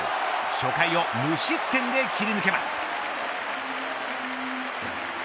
初回を無失点で切り抜けます。